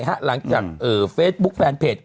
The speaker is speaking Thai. หลังจากเฟซบุ๊คแฟนเพจ